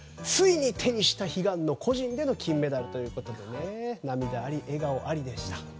ついに手にした悲願の個人の金メダルということで涙あり、笑顔ありでした。